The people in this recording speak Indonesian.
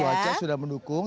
cuaca sudah mendukung